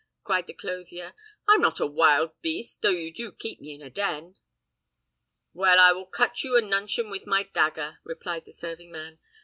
cried the clothier. "I'm not a wild beast, though you do keep me in a den." "Well, I will cut you a nuncheon with my dagger," replied the serving man.